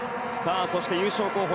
そして優勝候補